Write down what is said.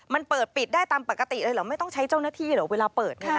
มันเปิดปิดได้ตามปกติเลยเหรอไม่ต้องใช้เจ้าหน้าที่เหรอเวลาเปิดเนี่ยนะ